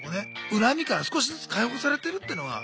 恨みから少しずつ解放されてるっていうのは。